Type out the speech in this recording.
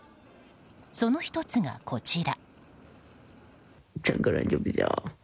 その１つがこちら。